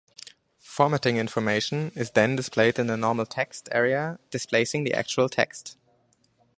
Formatting information is then displayed in the normal text area displacing the actual text.